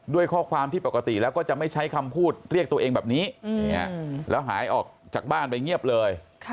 ด้วยข้อความที่ปกติแล้วก็จะไม่ใช้คำพูดเรียกตัวเองแบบนี้แล้วหายออกจากบ้านไปเงียบเลย